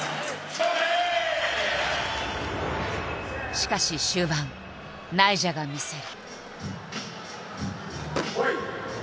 しかし終盤ナイジャが見せる。